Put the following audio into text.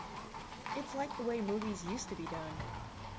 It's like the way movies used to be done.